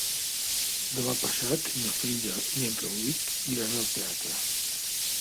Demà passat na Frida i en Rauric iran al teatre.